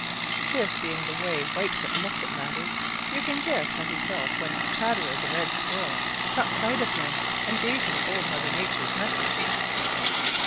This being the way Whitefoot looked at matters, you can guess how he felt when Chatterer the Red Squirrel caught sight of him and gave him Old Mother Nature's message.